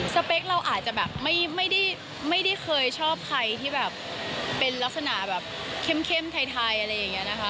สเปคเราอาจจะแบบไม่ได้เคยชอบใครที่แบบเป็นลักษณะแบบเข้มไทยอะไรอย่างนี้นะคะ